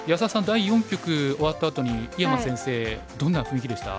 第四局終わったあとに井山先生どんな雰囲気でした？